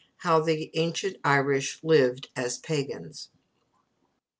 HOW THE ANCIENT IRISH LIVED AS PAGANS.